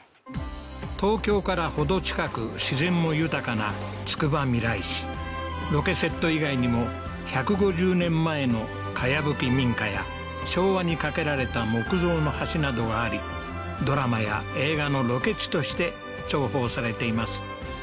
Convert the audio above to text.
東京から程近く自然も豊かなつくばみらい市ロケセット以外にも１５０年前のかやぶき民家や昭和にかけられた木造の橋などがありドラマや映画のロケ地として重宝されています